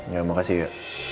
ya makasih ya